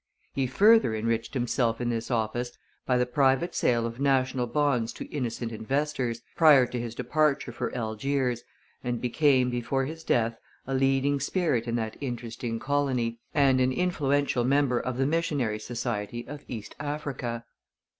He further enriched himself in this office by the private sale of national bonds to innocent investors, prior to his departure for Algiers, and became, before his death, a leading spirit in that interesting colony, and an influential member of the Missionary Society of East Africa.